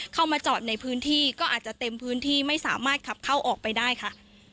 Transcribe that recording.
เข้ามาจอดในพื้นที่ก็อาจจะเต็มพื้นที่ไม่สามารถขับเข้าออกไปได้ค่ะ